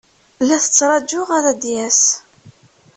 La t-ttṛajuɣ ad d-yas.